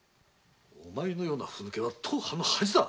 お前のようなフヌケは当藩の恥だ。